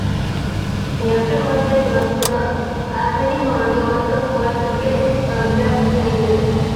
Jeffrey Goldberg of "The Atlantic Monthly" also calls the play a blood libel.